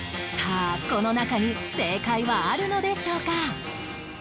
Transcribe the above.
さあこの中に正解はあるのでしょうか？